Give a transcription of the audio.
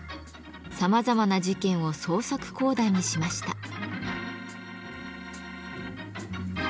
さまざまな事件を創作講談にしました。